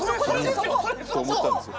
そう思ったんですよ。